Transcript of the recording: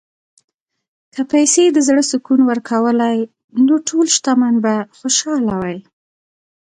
که پیسې د زړه سکون ورکولی، نو ټول شتمن به خوشاله وای.